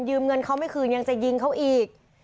เงินเขาไม่คืนยังจะยิงเขาอีก